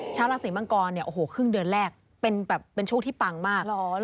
ชาวราศรีมังกรขึ้นเดือนแรกเป็นช่วงที่ปังมาก